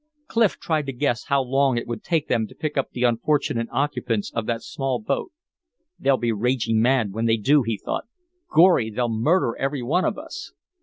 Clif tried to guess how long it would take them to pick up the unfortunate occupants of that small boat. "They'll be raging mad when they do," he thought. "Gorry! they'll murder every one of us."